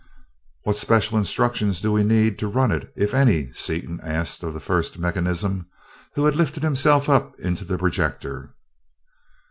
"What special instructions do we need to run it, if any?" Seaton asked of the First of Mechanism, who had lifted himself up into the projector.